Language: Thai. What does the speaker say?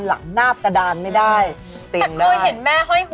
ห้ามทำสีผม